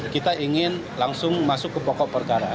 kita ingin langsung masuk ke pokok perkara